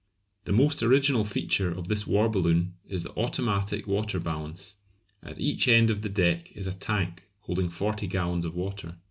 The most original feature of this war balloon is the automatic water balance. At each end of the "deck" is a tank holding forty gallons of water.